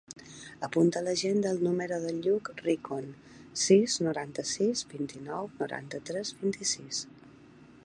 Apunta a l'agenda el número del Lluc Rincon: sis, noranta-sis, vint-i-nou, noranta-tres, vint-i-sis.